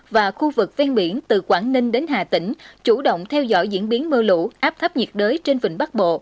và khu vực ven biển từ quảng ninh đến hà tĩnh chủ động theo dõi diễn biến mưa lũ áp thấp nhiệt đới trên vịnh bắc bộ